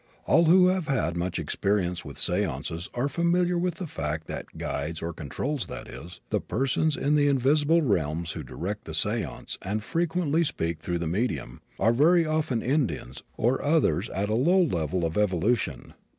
All who have had much experience with seances are familiar with the fact that "guides" or "controls," that is, the persons in the invisible realms who direct the seance and frequently speak through the medium, are very often Indians or others at a low level of evolution.